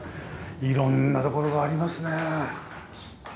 いろんなところがありますねえ。